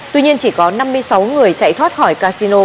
tuy nhiên chỉ có năm mươi sáu người chạy thoát khỏi casino